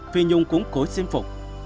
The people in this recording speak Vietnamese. phi nhung cũng cố xin phục